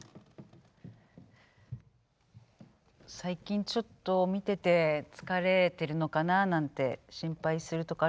最近ちょっと見てて疲れてるのかななんて心配するとこあるんだけど。